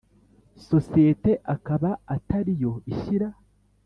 sosiyete akaba atari yo ishyira